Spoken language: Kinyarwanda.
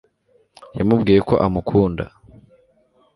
yamubwiye ko amukunda